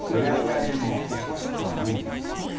いやいやでもここしかないんじゃないですか？